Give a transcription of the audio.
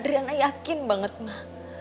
riana yakin banget ma